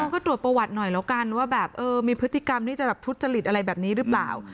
ก็ตรวจประวัติหน่อยแล้วกันว่าแบบเออมีพฤติกรรมที่จะแบบทุจริตอะไรแบบนี้หรือเปล่า